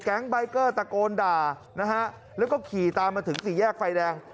แก๊งค์ไบเกอร์ตะโกนด่าแล้วก็ขี่ตามมาถึงสี่แยกไฟแดง